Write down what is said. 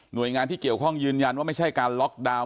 โดยงานที่เกี่ยวข้องยืนยันว่าไม่ใช่การล็อกดาวน์